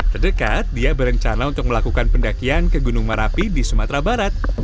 terdekat dia berencana untuk melakukan pendakian ke gunung merapi di sumatera barat